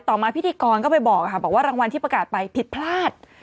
มาพิธีกรก็ไปบอกค่ะบอกว่ารางวัลที่ประกาศไปผิดพลาด